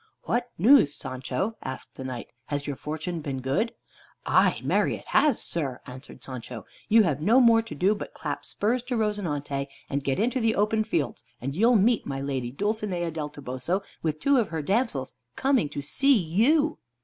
"What news, Sancho?" asked the Knight. "Has your fortune been good?" "Ay, marry has it, sir," answered Sancho, "you have no more to do but to clap spurs to 'Rozinante' and get into the open fields, and you'll meet my Lady Dulcinea del Toboso with two of her damsels coming to see you."